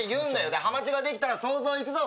でハマチができたら想像いくぞ。